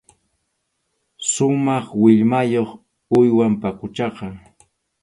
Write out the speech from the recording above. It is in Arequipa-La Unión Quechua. Sumaq millwayuq uywam paquchaqa.